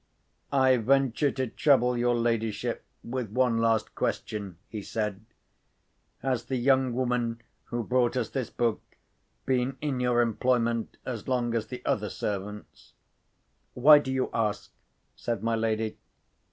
"I venture to trouble your ladyship with one last question," he said. "Has the young woman who brought us this book been in your employment as long as the other servants?" "Why do you ask?" said my lady.